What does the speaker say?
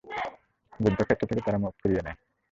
যুদ্ধক্ষেত্র থেকে তারা মুখ ঘুরিয়ে নেয়।